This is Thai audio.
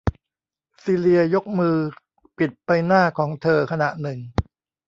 ซีเลียยกมือปิดใบหน้าของเธอขณะหนึ่ง